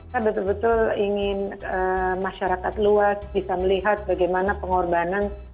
saya betul betul ingin masyarakat luas bisa melihat bagaimana pengorbanan